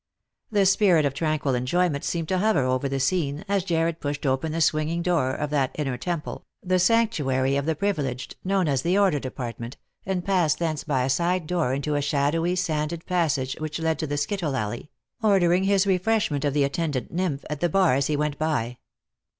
The spirit of tranquil enjoyment seemed to hover over the scene, as Jarred pushed open the swinging door of that inner temple, the sanctuary of the privi leged, known as the order department, and passed thence bj a side door into a shadowy sanded passage which led to th< skittle alley, ordering his refreshment of the attendant nympl at the bar as he went by.